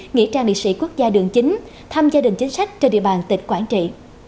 nghĩa trang địa sĩ quốc gia đường chính thăm gia đình chính sách trên địa bàn tịch quảng trị